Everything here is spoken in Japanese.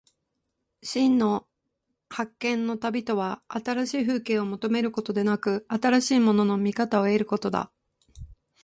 真の発見の旅とは、新しい風景を求めることでなく、新しいものの見方を得ることだ。